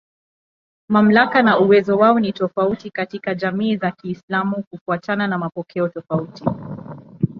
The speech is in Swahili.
Mamlaka na uwezo wao ni tofauti katika jamii za Kiislamu kufuatana na mapokeo tofauti.